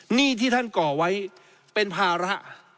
หนี้ที่ท่านก่อไว้เป็นภาระ